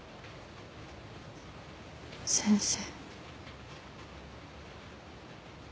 先生。